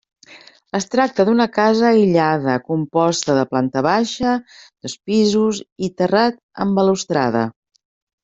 Es tracta d'una casa aïllada, composta de planta baixa, dos pisos i terrat amb balustrada.